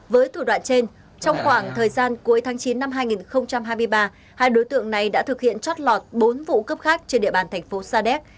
với thủ đoạn trên trong khoảng thời gian cuối tháng chín năm hai nghìn hai mươi ba hai đối tượng này đã thực hiện chót lọt bốn vụ cướp khác trên địa bàn thành phố sa đéc